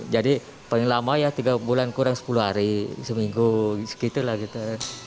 jadi paling lama ya tiga bulan kurang sepuluh hari seminggu segitulah gitu